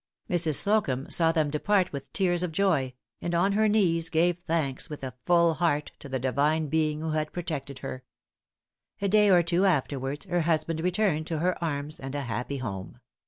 Mrs. Slocumb saw them depart with tears of joy; and on her knees gave thanks, with a full heart, to the Divine Being who had protected her. A day or two afterwards, her husband returned to her arms and a happy home.